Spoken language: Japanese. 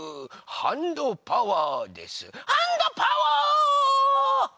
ハンドパワー！